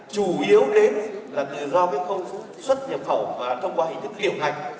chủ yếu đến là từ do cái không xuất nhập khẩu và thông qua hình thức tiểu ngạch